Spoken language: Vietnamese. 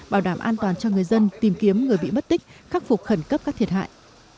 bảo đảm an toàn cho người dân tìm kiếm người bị mất tích khắc phục khẩn cấp các thiệt hại